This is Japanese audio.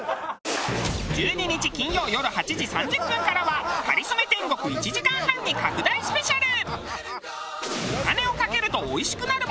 １２日金曜よる８時３０分からは『かりそめ天国』１時間半に拡大スペシャル！